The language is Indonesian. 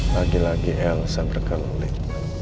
lagi lagi elsa berkelulit